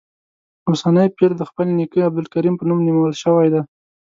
اوسنی پیر د خپل نیکه عبدالکریم په نوم نومول شوی دی.